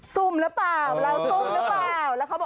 ซุ่มหรือเปล่าเราซุ่มหรือเปล่า